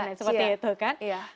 cia seperti itu kan